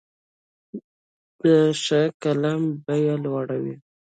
د ښه قلم بیه لوړه وي.